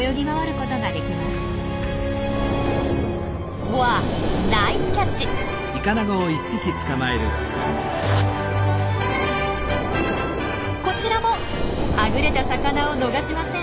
こちらもはぐれた魚を逃しません。